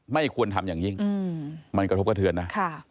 ไม่ควรทำอย่างยิ่งมันกระทบกระเทือนนะ